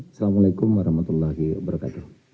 assalamu'alaikum warahmatullahi wabarakatuh